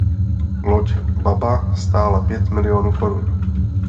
Loď Baba stála pět milionů korun.